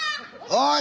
おい！